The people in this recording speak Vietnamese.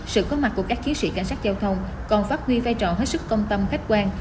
sự có mặt của các chiến sĩ cảnh sát giao thông còn phát huy vai trò hết sức công tâm khách quan